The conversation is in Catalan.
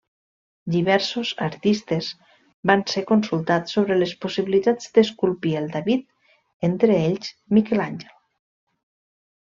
Diversos artistes van ser consultats sobre les possibilitats d'esculpir el David, entre ells Miquel Àngel.